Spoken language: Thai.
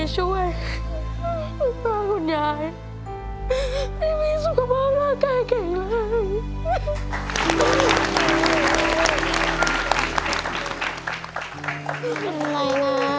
ช่วยคุณตาคุณยายให้มีสุขภาพร่างกายเก่งเลย